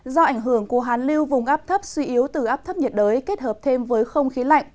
do ảnh hưởng của hàn lưu vùng áp thấp suy yếu từ áp thấp nhiệt đới kết hợp thêm với không khí lạnh